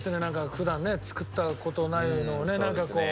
普段ね作った事ないのをねなんかこう。